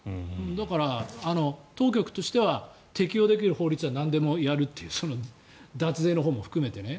だから、当局としては適用できる法律はなんでもやるという脱税のほうも含めてね。